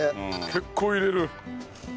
結構入れる。